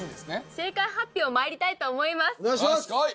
正解発表まいりたいと思いますお願いします！